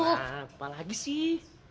apa lagi sih